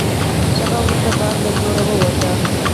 شېبه وروسته باد له زوره ووت.